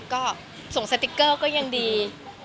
ก็ส่งสติ๊กเกอร์ก็ยังดี